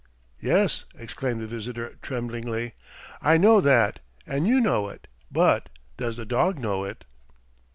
"Yes," exclaimed the visitor, tremblingly, "I know that and you know it, but does the dog know it?"